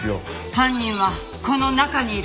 犯人はこの中にいる。